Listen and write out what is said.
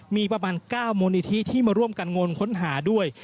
มีประมาณ๙มูลนิธิที่มาร่วมกันงนค้นหาด้วย